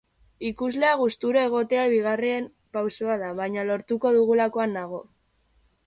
Ikuslea gustura egotea bigarren pausua da, baina lortuko dugulakoan nago.